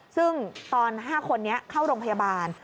ซึ่งตอน๕คนนี้เข้าโรงพยาบาล